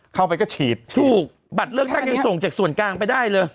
เข้าไปก็ฉีดถูกบัตรเลือกตั้งนี้ส่งจากส่วนกลางไปได้เลย